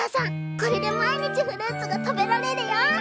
これで毎日フルーツが食べられるよ。